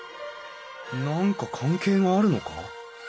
何か関係があるのか？